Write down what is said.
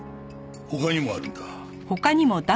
他にもあるんだ。